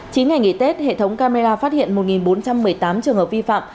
chín ngày nghỉ tết hệ thống camera phát hiện một bốn trăm một mươi tám trường hợp vi phạm